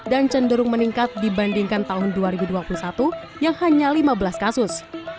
dan cenderung meningkat dibandingkan tahun dua ribu dua puluh satu yang hanya lima belas kasus